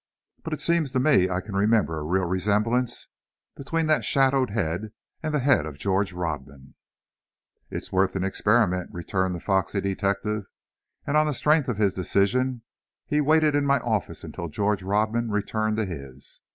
But it seems to me I can remember a real resemblance between that shadowed head and the head of George Rodman." "It's worth an experiment," returned the foxy detective, and on the strength of his decision he waited in my office until George Rodman returned to his.